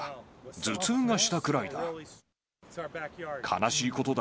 頭痛がしたくらいだ。